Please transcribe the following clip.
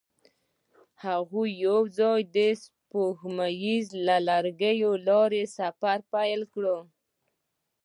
هغوی یوځای د سپوږمیز لرګی له لارې سفر پیل کړ.